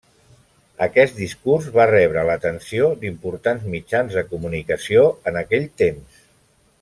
Aquest discurs va rebre l'atenció d'importants mitjans de comunicació en aquell temps.